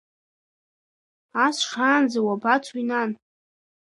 Ас шаанӡа уабацои, нан?